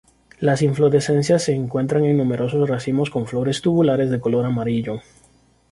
Las inflorescencias se encuentran en numerosos racimos con flores tubulares de color amarillo.